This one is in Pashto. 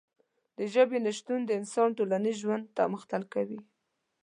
د ژبې نشتون د انسان ټولنیز ژوند مختل کوي.